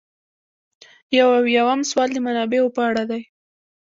یو اویایم سوال د منابعو په اړه دی.